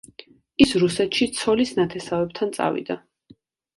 ის რუსეთში ცოლის ნათესავებთან წავიდა.